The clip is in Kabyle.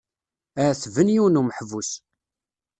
Ɛettben yiwen umeḥbus.